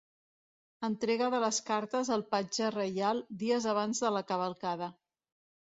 Entrega de les cartes al patge reial dies abans de la cavalcada.